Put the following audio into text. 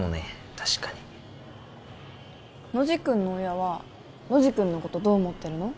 確かにノジ君の親はノジ君のことどう思ってるの？